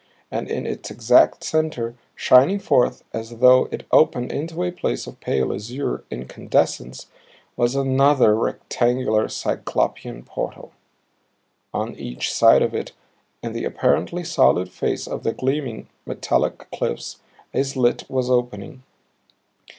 And in its exact center, shining forth as though it opened into a place of pale azure incandescence was another rectangular Cyclopean portal. On each side of it, in the apparently solid face of the gleaming, metallic cliffs, a slit was opening.